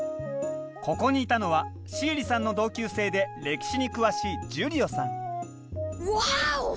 ここにいたのはシエリさんの同級生で歴史に詳しいジュリオさんワーオ！